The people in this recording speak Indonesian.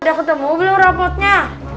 udah ketemu belum robotnya